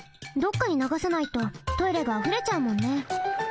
どっかにながさないとトイレがあふれちゃうもんね。